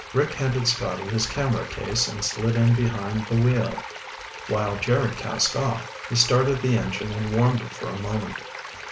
Rick handed Scotty his camera case and slid in behind the wheel. While Jerry cast off, he started the engine and warmed it for a moment.